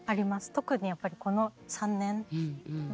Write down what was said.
特にやっぱりこの３年は。